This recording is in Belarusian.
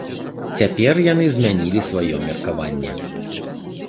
Цяпер яны змянілі сваё меркаванне.